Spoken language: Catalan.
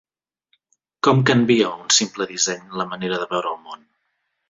Com canvia un simple disseny la manera de veure el món?